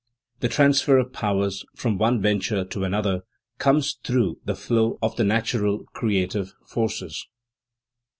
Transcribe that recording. The transfer of powers from one venture to another comes through the flow of the natural creative forces.